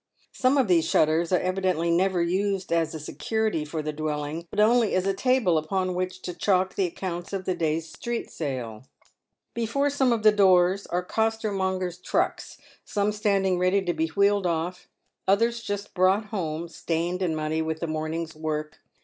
Some of these shutters are evidently never used as a security for the dwell ing, but only as a table upon which to chalk the accounts of the day's street sale. Before some of the doors are costermongers' trucks — some standing ready to be wheeled oif, others just brought home, stained and muddy with the morning's work.